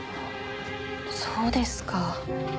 そうですか。